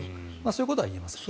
そういうことが言えますね。